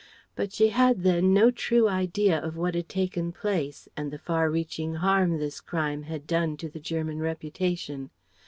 But she had then no true idea of what had taken place, and the far reaching harm this crime had done to the German reputation.